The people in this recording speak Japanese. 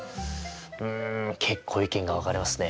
うん結構意見が分かれますねえ。